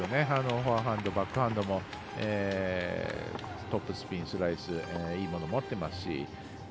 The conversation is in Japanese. フォアハンド、バックハンドもトップスピン、スライスいいものを持っていますし。